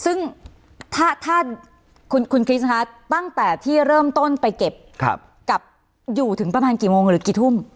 ซึ่งถ้าคุณคริสคะตั้งแต่ที่เริ่มต้นไปเก็บกับอยู่ถึงประมาณกี่โมงหรือกี่ทุ่ม